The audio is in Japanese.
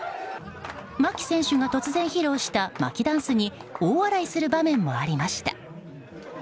牧選手が突然披露した牧ダンスに大笑いする場面もありました。